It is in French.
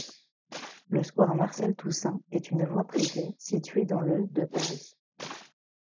Le square Marcel-Toussaint est une voie privée située dans le de Paris.